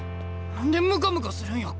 何でムカムカするんや？